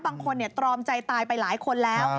ตรอมใจตายไปหลายคนแล้ว